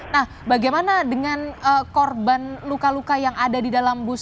nah bagaimana dengan korban luka luka yang ada di dalam bus